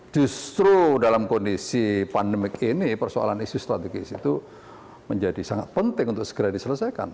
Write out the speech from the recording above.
justru dalam kondisi pandemik ini persoalan isu strategis itu menjadi sangat penting untuk segera diselesaikan